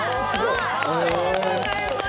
おめでとうございます。